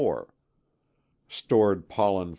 94, stored pollen 79.